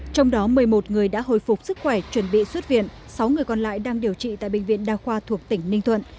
trong đó một mươi một người đã hồi phục sức khỏe chuẩn bị xuất viện sáu người còn lại đang điều trị tại bệnh viện đa khoa thuộc tỉnh ninh thuận